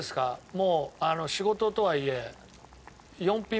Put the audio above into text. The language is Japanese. もう仕事とはいえ。